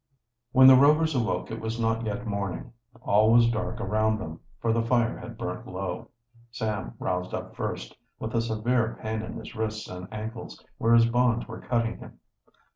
When the Rovers awoke it was not yet morning. All was dark around them, for the fire had burnt low. Sam roused up first, with a severe pain in his wrists and ankles, where his bonds were cutting him.